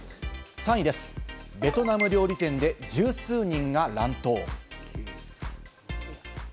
３位です、ベトナム料理店で十数人が乱闘。